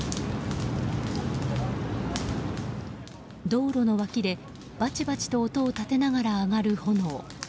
道路の脇でバチバチと音を立てながら上がる炎。